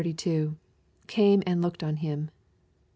— [Came and looked on him.